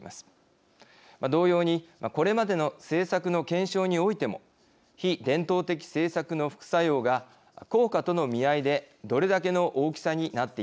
同様にこれまでの政策の検証においても非伝統的政策の副作用が効果との見合いでどれだけの大きさになっていたのか。